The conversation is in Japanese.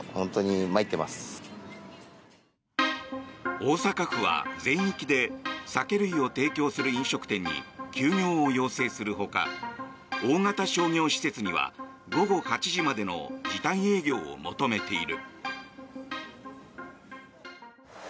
大阪府は全域で酒類を提供する飲食店に休業を要請するほか大型商業施設には午後８時までの時短営業を求めている。